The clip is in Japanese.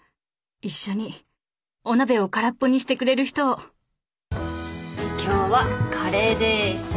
一緒にお鍋を空っぽにしてくれる人を今日はカレーです。